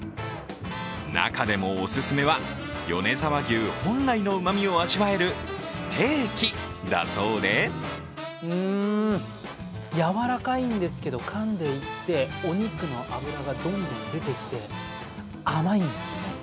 中でもお勧めは、米沢牛本来のうまみを味わえるステーキだそうでうん、軟らかいんですけどかんでいってお肉の脂がどんどん出てきて、甘いんですね。